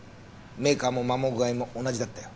メーカーも磨耗具合も同じだったよ。